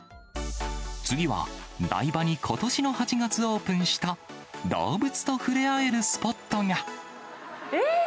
次は、台場にことしの８月オープンした、動物と触れ合えるスポッえー！